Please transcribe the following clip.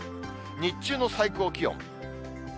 日中の最高気温。